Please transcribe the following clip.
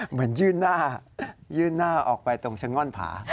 เหมือนยื่นหน้ายื่นหน้าออกไปตรงชะง่อนผา